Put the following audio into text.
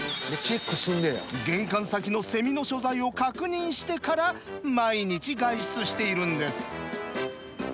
玄関先のセミの所在を確認してから毎日外出しているんです。